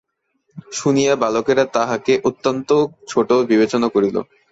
শুনিয়া বালকেরা তাঁহাকে অত্যন্ত ছোটো বিবেচনা করিল।